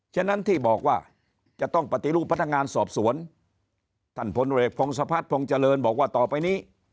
ฉะนั้นที่บอกว่าจะต้องปฏิรูปพนักงานสอบสวนท่านพลเวกพงศพัฒนภงเจริญบอกว่าต่อไปนี้